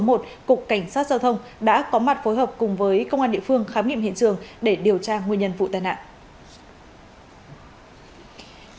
cục cảnh sát giao thông đã có mặt phối hợp cùng với công an địa phương khám nghiệm hiện trường để điều tra nguyên nhân vụ tai nạn